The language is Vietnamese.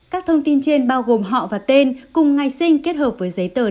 các thông tin trên bao gồm họ và tên cùng ngày sinh kết hợp với giấy tờ